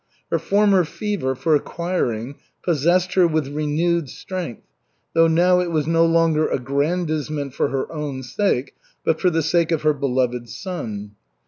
Her former fever for acquiring possessed her with renewed strength, though now it was no longer aggrandizement for her own sake but for the sake of her beloved son.